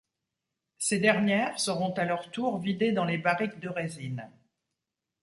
Ces dernières seront à leur tour vidées dans les barriques de résine.